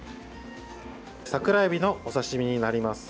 桜えびのお刺身になります。